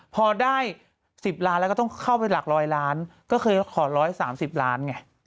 พอได้๑๐ล้านก็ต้องเข้าลับรออยก็ได้๑๐๐ล้าน